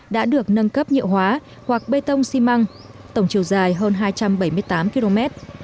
đã được nâng cấp nhựa hóa hoặc bê tông xi măng tổng chiều dài hơn hai trăm bảy mươi tám km